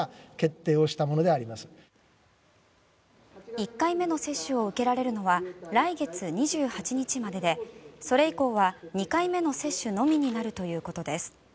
１回目の接種を受けられるのは来月２８日まででそれ以降は２回目の接種のみになるということです。